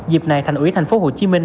dịp này thành ủy thành phố hồ chí minh